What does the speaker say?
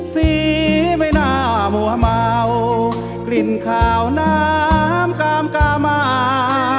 สีไม่น่ามัวเมากลิ่นขาวน้ำกามกามา